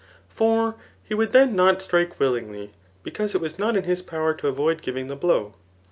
For he would then not strike willingly, because it was not in his power to avoid givmg the blow.